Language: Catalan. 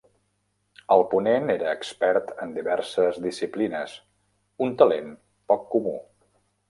El ponent era expert en diverses disciplines, un talent poc comú.